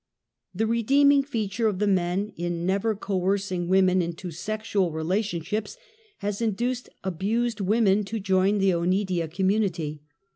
The rede_eming feature of the men, in never co ercing women into sexual relationships has induced abused women to join the Onedia community.